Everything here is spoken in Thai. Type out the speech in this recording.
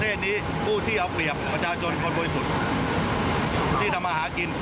ทำไมต้องเป็นการเมืองด้วยละ